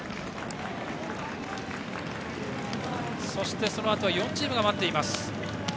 そして、そのあと４チームが待っています。